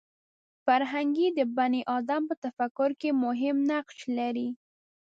فرهنګ د بني ادم په تفکر کې مهم نقش لري